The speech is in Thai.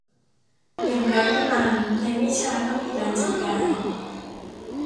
อย่างไรก็ตามในไม่ช้าก็มีการจัดการ